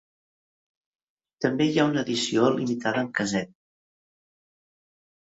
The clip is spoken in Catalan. També hi ha una edició limitada en casset.